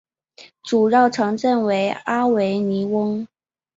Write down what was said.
主要城镇为阿维尼翁。